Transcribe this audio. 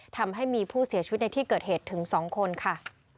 ทำให้มีผู้เสียชีวิตในที่เกิดเหตุถึง๒คนค่ะ